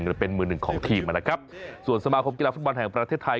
หรือเป็นมือหนึ่งของทีมนะครับส่วนสมาคมกีฬาฟุตบอลแห่งประเทศไทย